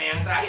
ya bau dikit